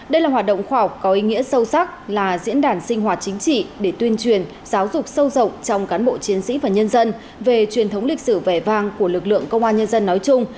đây là hoạt động khoa học có ý nghĩa sâu sắc là diễn đàn sinh hoạt chính trị để tuyên truyền giáo dục sâu rộng trong cán bộ chiến sĩ và nhân dân về truyền thống lịch sử vẻ vang của lực lượng công an nhân dân nói chung